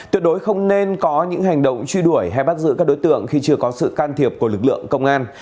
tuyệt đối không nên có những hành động truy đuổi hay bắt giữ các đối tượng khi chưa có sự can thiệp của lực lượng công an